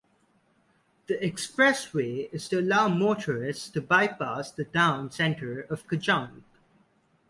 The expressway is to allow motorists to bypass the town centre of Kajang.